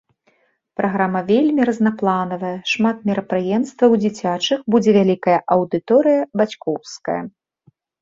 Праграма вельмі рознапланавая, шмат мерапрыемстваў дзіцячых, будзе вялікая аўдыторыя бацькоўская.